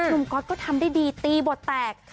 ก๊อตก็ทำได้ดีตีบทแตก